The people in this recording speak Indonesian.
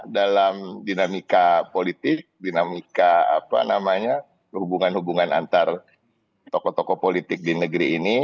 dalam dinamika politik dinamika apa namanya hubungan hubungan antar tokoh tokoh politik di negeri ini